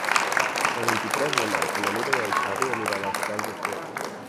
El vint-i-tres de maig na Mira i en Xavi aniran als Plans de Sió.